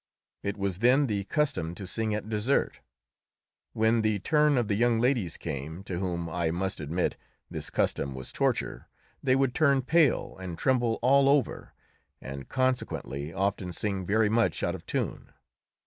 It was then the custom to sing at dessert. When the turn of the young ladies came to whom, I must admit, this custom was torture they would turn pale and tremble all over, and consequently often sing very much out of tune.